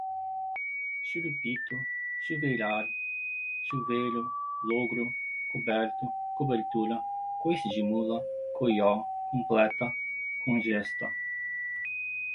churupito, chuveirar, chuveiro, lôgro, coberto, cobertura, coice de mula, coió, completa, conjesta